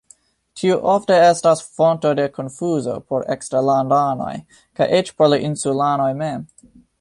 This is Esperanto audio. Tiu ofte estas fonto de konfuzo por eksterlandanoj, kaj eĉ por la insulanoj mem.